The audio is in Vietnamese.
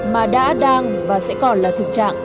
mà đã đang và sẽ còn là thực trạng